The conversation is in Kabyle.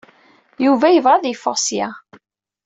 Yuba yebɣa ad yeffeɣ ssya.